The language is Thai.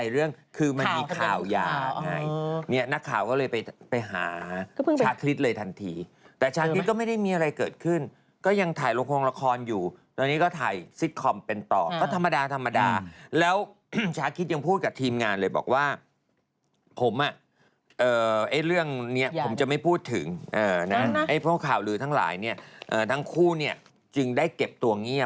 เรื่องราวคืออย่างนี้